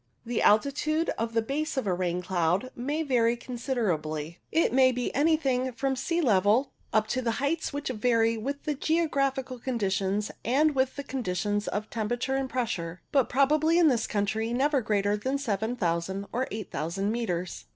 The altitude of the base of a rain cloud may vary considerably. It may be anything from sea level up to heights which vary with the geographical conditions and with the conditions of temperature and pressure, but probably in this country never greater than 7000 or 8000 metres.